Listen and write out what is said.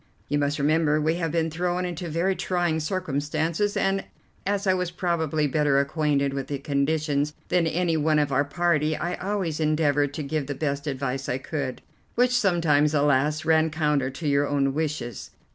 You must remember we have been thrown into very trying circumstances, and as I was probably better acquainted with the conditions than any one of our party I always endeavoured to give the best advice I could, which sometimes, alas, ran counter to your own wishes.